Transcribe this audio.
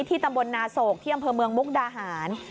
ตำบลนาโศกที่อำเภอเมืองมุกดาหาร